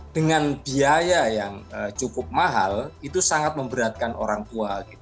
dengan biaya yang cukup mahal itu sangat memberatkan orang tua